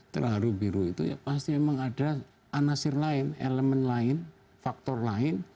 terharu biru itu ya pasti memang ada anasir lain elemen lain faktor lain